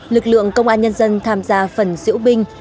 lực lượng công an nhân dân tham gia phần diễu binh